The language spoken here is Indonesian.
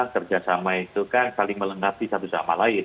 kerjasama itu kan saling melengkapi satu sama lain